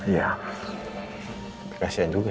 ya kasihan juga ya